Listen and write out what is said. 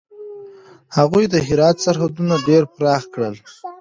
هغوی د هرات سرحدونه ډېر پراخه کړل.